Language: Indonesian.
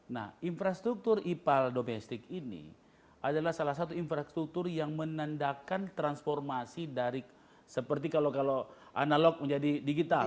nah infrastruktur ipal domestik ini adalah salah satu infrastruktur yang menandakan transformasi dari seperti kalau kalau analog menjadi digital